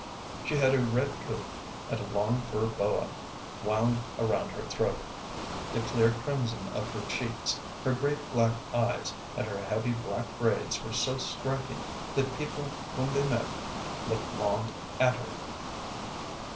She had a red coat, and a long fur boa wound around her throat; the clear crimson of her cheeks, her great black eyes, and her heavy black braids were so striking that people whom they met looked long at her.